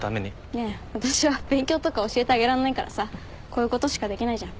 いや私は勉強とか教えてあげらんないからさこういうことしかできないじゃん。